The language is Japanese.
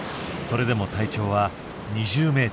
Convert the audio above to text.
それでも体長は２０ｍ。